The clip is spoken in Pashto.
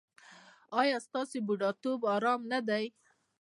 ایا ستاسو بوډاتوب ارام نه دی؟